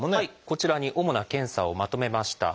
こちらに主な検査をまとめました。